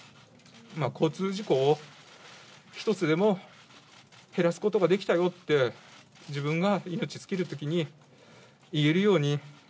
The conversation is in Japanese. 交通事故を一つでも減らすことができたよって、自分が命尽きるときに言えるように。